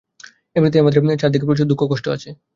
এমনিতেই আমাদের চারদিকে প্রচুর দুঃখ-কষ্ট আছে।